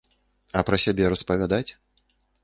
А пра сябе распавядаць?